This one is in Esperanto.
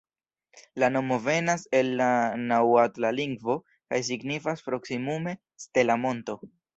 La nomo venas el la naŭatla lingvo kaj signifas proksimume «stela monto».